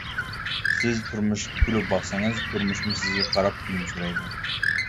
سىز تۇرمۇشقا كۈلۈپ باقسىڭىز تۇرمۇشمۇ سىزگە قاراپ كۈلۈمسىرەيدۇ.